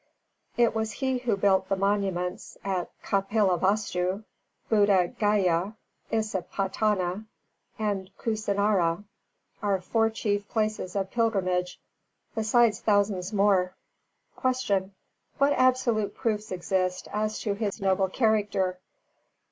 It was he who built the monuments at Kapilavastu, Buddha Gāya, Isipatana and Kusinārā, our four chief places of pilgrimage, besides thousands more. 294. Q. _What absolute proofs exist as to his noble character?